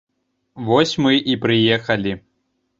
Вось мы і прыехалі.